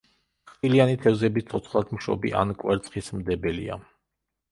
ხრტილიანი თევზები ცოცხლადმშობი ან კვერცხისმდებელია.